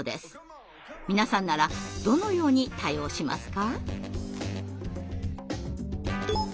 皆さんならどのように対応しますか？